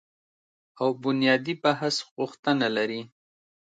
او بنیادي بحث غوښتنه لري